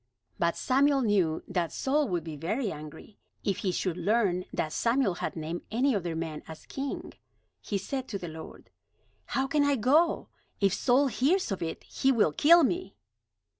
But Samuel knew that Saul would be very angry, if he should learn that Samuel had named any other man as king. He said to the Lord: "How can I go? If Saul hears of it, he will kill me."